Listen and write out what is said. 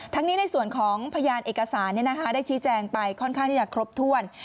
นี้ในส่วนของพยานเอกสารได้ชี้แจงไปค่อนข้างที่จะครบถ้วน